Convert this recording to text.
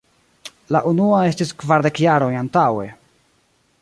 La unua estis kvardek jarojn antaŭe!